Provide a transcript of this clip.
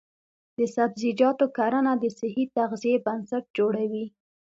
د سبزیجاتو کرنه د صحي تغذیې بنسټ جوړوي.